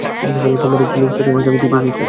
তোমার পুলিশ কঠিন একটা গুঁটি পাকিয়েছে।